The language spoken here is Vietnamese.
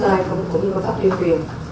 để mà triển khai cũng như bằng cách điều truyền